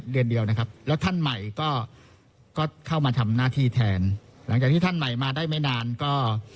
ก็เข้ามาทำหน้าที่แทนหลังจากที่ท่านใหม่มาได้ไม่นานก็